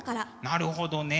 なるほどね。